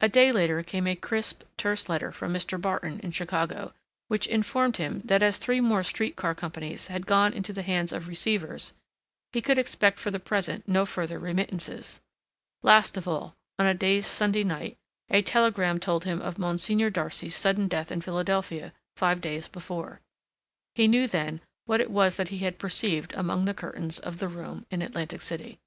A day later came a crisp, terse letter from Mr. Barton in Chicago, which informed him that as three more street car companies had gone into the hands of receivers he could expect for the present no further remittances. Last of all, on a dazed Sunday night, a telegram told him of Monsignor Darcy's sudden death in Philadelphia five days before. He knew then what it was that he had perceived among the curtains of the room in Atlantic City.